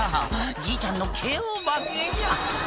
「じいちゃんのＫＯ負けじゃ」